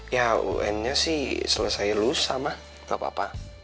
ya un nya sih selesai lu sama gak apa apa